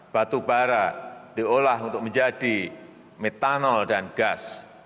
batu bara diolah untuk menjadi metanol dan gas